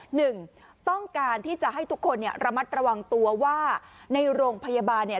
หนึ่งต้องการที่จะให้ทุกคนเนี่ยระมัดระวังตัวว่าในโรงพยาบาลเนี่ย